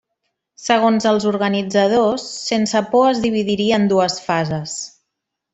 Segons els organitzadors, Sense Por es dividiria en dues fases.